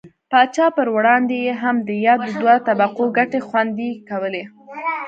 پاچا پر وړاندې یې هم د یادو دوو طبقو ګټې خوندي کولې.